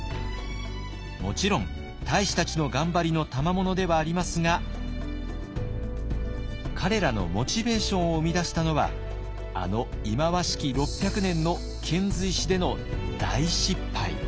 もちろん太子たちの頑張りのたまものではありますが彼らのモチベーションを生み出したのはあの忌まわしき６００年の遣隋使での大失敗。